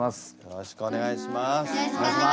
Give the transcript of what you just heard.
よろしくお願いします。